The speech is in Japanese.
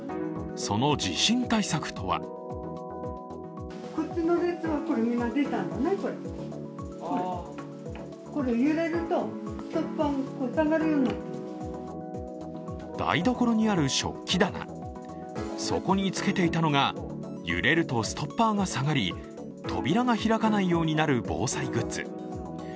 その地震対策とは台所にある食器棚、そこにつけていたのが揺れるとストッパーが下がり、扉が開かないようになる防災グッズ。